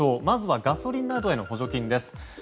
まずはガソリンなどへの補助金です。